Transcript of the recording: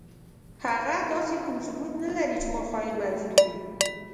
هغه داسې کوم ثبوت نه لري چې ما خاين معرفي کړي.